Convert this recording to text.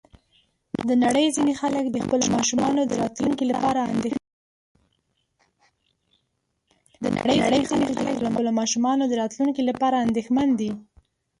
د نړۍ ځینې خلک د خپلو ماشومانو د راتلونکي لپاره اندېښمن دي.